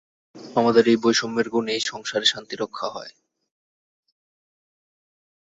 আমাদের এই বৈষম্যের গুণেই সংসারে শান্তিরক্ষা হয়।